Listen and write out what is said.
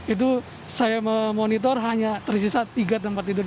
itu saya memonitor hanya tersisa tiga tempat tidur